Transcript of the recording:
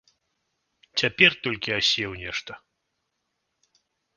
Цяпер толькі асеў нешта.